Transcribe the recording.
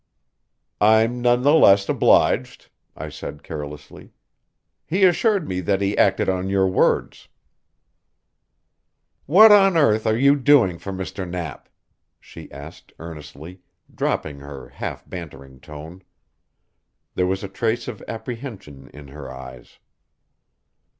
"I'm none the less obliged," I said carelessly. "He assured me that he acted on your words." "What on earth are you doing for Mr. Knapp?" she asked earnestly, dropping her half bantering tone. There was a trace of apprehension in her eyes.